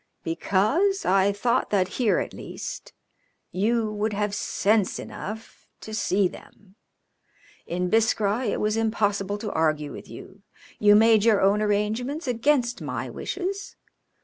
"Because I thought that here, at least, you would have sense enough to see them. In Biskra it was impossible to argue with you. You made your own arrangements against my wishes.